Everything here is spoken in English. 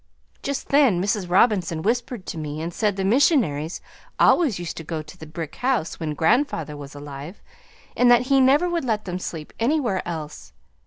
Just then Mrs. Robinson whispered to me and said the missionaries always used to go to the brick house when grandfather was alive, and that he never would let them sleep anywhere else.